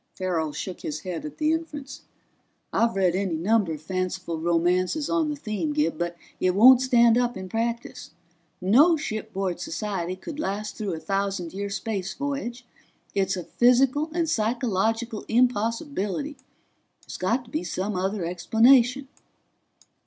Farrell shook his head at the inference. "I've read any number of fanciful romances on the theme, Gib, but it won't stand up in practice. No shipboard society could last through a thousand year space voyage. It's a physical and psychological impossibility. There's got to be some other explanation."